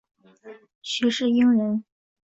许世英人。